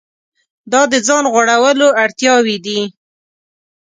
دا د ځان غوړولو اړتیاوې دي.